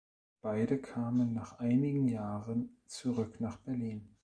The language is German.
Beide kamen nach einigen Jahren zurück nach Berlin.